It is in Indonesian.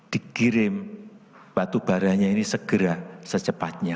dikirim batu baranya ini segera secepatnya